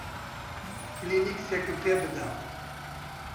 کلێنکسێکم پێ بدە.